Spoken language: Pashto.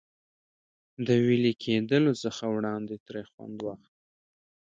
د وېلې کېدلو څخه وړاندې ترې خوند واخله.